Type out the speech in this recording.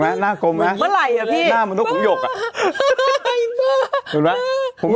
เป็นเก่งน่ารักอะเจ้กไหมหน้ากลมไง